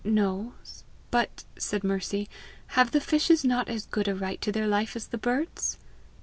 "No. But," said Mercy, "have the fishes not as good a right to their life as the birds?"